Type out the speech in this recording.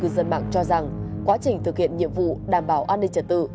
dân mạng cho rằng quá trình thực hiện nhiệm vụ đảm bảo an ninh trật tự